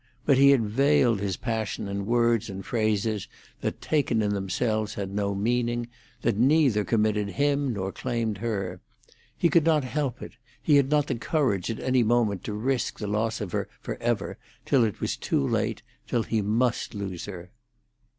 But he had veiled his passion in words and phrases that, taken in themselves, had no meaning—that neither committed him nor claimed her. He could not help it; he had not the courage at any moment to risk the loss of her for ever, till it was too late, till he must lose her.